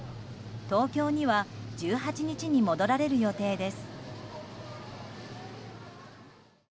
東京には１８日に戻られる予定です。